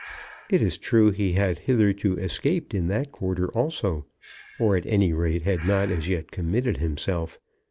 It is true he had hitherto escaped in that quarter also, or, at any rate, had not as yet committed himself.